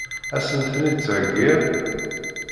Ad sen-ten-id-theggiḍ?